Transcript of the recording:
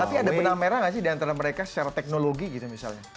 tapi ada benang merah nggak sih diantara mereka secara teknologi gitu misalnya